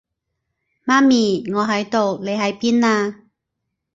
媽咪，我喺度，你喺邊啊？